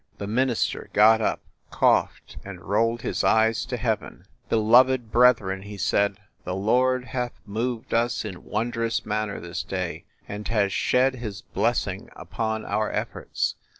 The minister got up, coughed, and rolled his eyes to heaven. THE LIARS CLUB 65 "Beloved brethren," he said, "the Lord hath moved us in wondrous manner this day, and has shed His blessing upon our efforts.